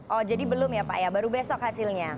oh jadi belum ya pak ya baru besok hasilnya